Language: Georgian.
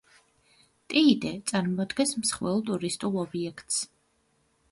ტეიდე წარმოადგენს მსხვილ ტურისტულ ობიექტს.